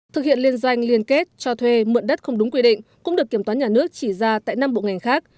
thực hiện liên doanh liên kết cho thuê mượn đất không đúng quy định cũng được kiểm toán nhà nước chỉ ra tại năm bộ ngành khác